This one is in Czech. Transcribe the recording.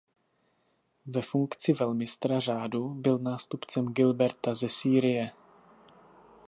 Ve funkci velmistra řádu byl nástupcem Gilberta ze Sýrie.